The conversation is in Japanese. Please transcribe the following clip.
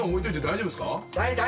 大丈夫。